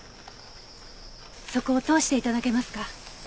そこ通して頂けますか？